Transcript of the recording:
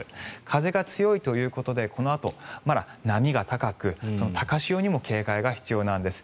風が強いということでこのあとまだ波が高く高潮にも警戒が必要なんです。